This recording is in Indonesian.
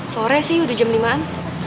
sore sih udah jam lima an